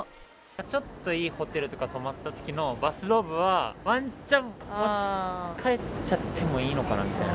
ちょっといいホテルとか泊まったときのバスローブは、ワンチャン、持ち帰っちゃってもいいのかなみたいな。